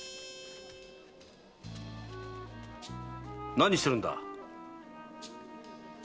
何してるんだ？